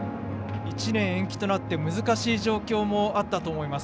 １年延期となって難しい状況もあったと思います。